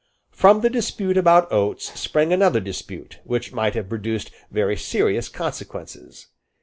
From the dispute about Oates sprang another dispute, which might have produced very serious consequences.